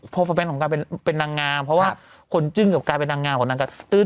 เพราะแฟนของการเป็นนางงามเพราะว่าผลจึ้งกับการเป็นนางงามกว่านางการ